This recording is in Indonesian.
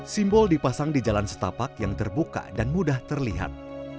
simbol dipasang di jalan setapak yang terbuka dan mudah terlihat